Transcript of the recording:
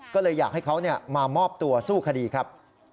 ก็เลยอยากให้เขามามอบตัวสู้คดีครับ